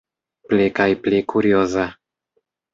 Pli kaj pli kurioza.